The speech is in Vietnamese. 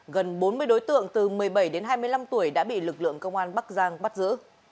gần bốn mươi đối tượng từ một mươi bảy đến hai mươi năm tuổi đã bị lực lượng công an bắc giang bắt giữ